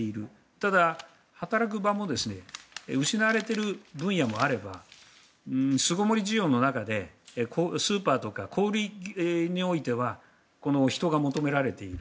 ただ、働く場も失われている分野もあれば巣ごもり需要の中でスーパーとか小売りにおいては人が求められている。